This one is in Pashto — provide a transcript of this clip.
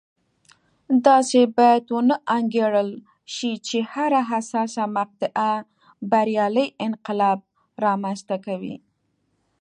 داسې باید ونه انګېرل شي چې هره حساسه مقطعه بریالی انقلاب رامنځته کوي.